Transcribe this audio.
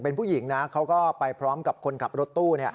เป็นผู้หญิงนะเขาก็ไปพร้อมกับคนขับรถตู้